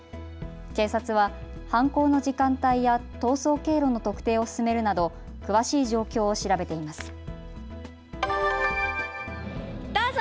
警察は犯行の時間帯や逃走経路の特定を進めるなど詳しい状況を調べています。